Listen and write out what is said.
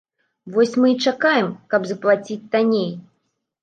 Вось мы і чакаем, каб заплаціць танней.